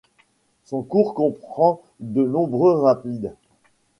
Son cours comprend de nombreux rapides.